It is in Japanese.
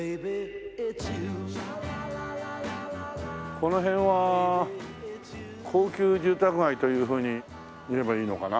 この辺は高級住宅街というふうに言えばいいのかな？